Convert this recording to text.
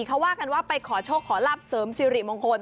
เขาว่ากันว่าไปขอโชคขอรับเสริมสิริมงคล